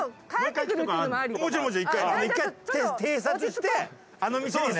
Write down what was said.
一回偵察してあの店にする。